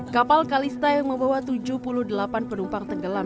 kapal kalista yang membawa tujuh puluh delapan penumpang tenggelam